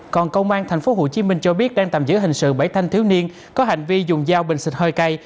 còn công an tp hcm cho biết đang tạm giữ hình sự bảy thanh thiếu niên có hành vi dùng dao bình xịt hơi cay